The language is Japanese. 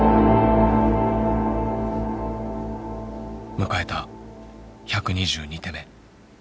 迎えた１２２手目。